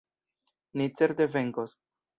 Ni certe venkos!